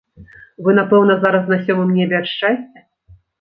Вы, напэўна, зараз на сёмым небе ад шчасця?